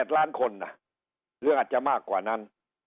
๗ล้านคนหรืออาจจะมากกว่านั้น